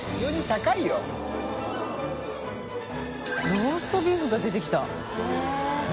ローストビーフが出てきた。